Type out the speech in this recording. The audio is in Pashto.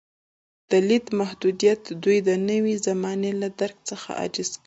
د لید محدودیت دوی د نوې زمانې له درک څخه عاجز کړل.